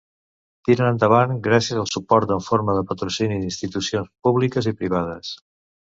Tiren endavant gràcies al suport en forma de patrocini d'institucions públiques i privades.